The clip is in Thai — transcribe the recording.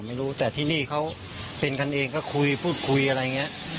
ไม่รู้แต่ที่นี่เขาเป็นกันเองก็คุยพูดคุยอะไรอย่างนี้